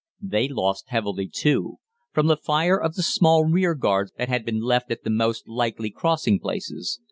"They lost heavily, too, from the fire of the small rearguards that had been left at the most likely crossing places.